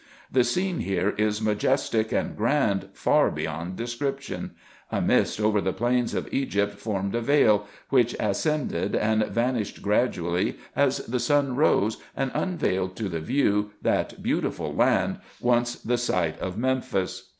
The scene here is majestic and grand, far beyond description : a mist over the plains of Egypt formed a veil, which ascended and vanished gradually as the sun rose and unveiled to the view that beautiful land, once the IN EGYPT, NUBIA, &c. 5 site of Memphis.